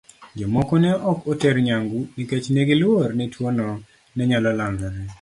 Jomoko ne ok oter nyangu nikech ne giluor ni tuwono ne nyalo landore.